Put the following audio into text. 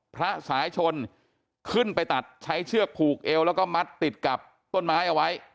พระสายชนขึ้นไปตัดใช้เชือกผูกเอวแล้วก็มัดติดกับต้นไม้เอาไว้